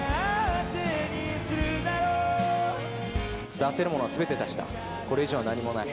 出せるものはすべて出した、これ以上は何もない。